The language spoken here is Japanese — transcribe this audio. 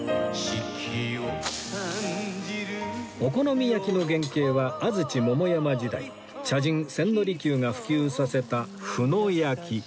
お好み焼きの原型は安土桃山時代茶人千利休が普及させた「麩の焼き」